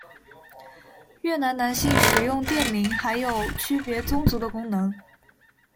越南男性使用垫名还有区别宗族的功能。